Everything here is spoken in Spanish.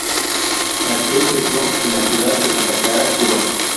Nació y creció en la ciudad de Santa Clara, Cuba.